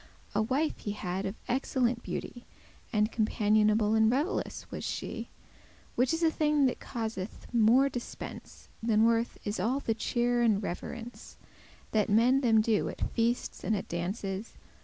A wife he had of excellent beauty, And *companiable and revellous* was she, *fond of society and Which is a thing that causeth more dispence merry making* Than worth is all the cheer and reverence That men them do at feastes and at dances.